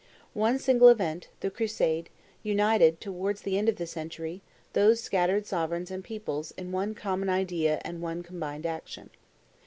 One single event, the Crusade, united, towards the end of the century, those scattered sovereigns and peoples in one common idea and one combined action.